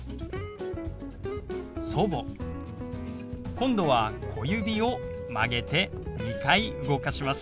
今度は小指を曲げて２回動かします。